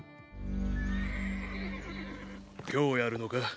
今日やるのか？